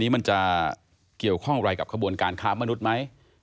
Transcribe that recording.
มันจะเกี่ยวข้องอะไรกับขบวนการค้ามนุษย์ไหม